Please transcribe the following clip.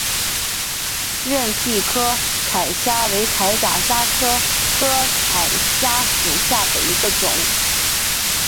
仁娣柯铠虾为铠甲虾科柯铠虾属下的一个种。